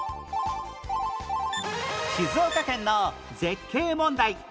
静岡県の絶景問題